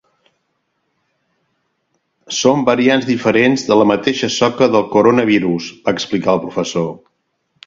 “Són variants diferents de la mateixa soca del coronavirus”, va explicar el professor.